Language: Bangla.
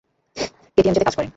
কেটিএমজেতে কাজ করে।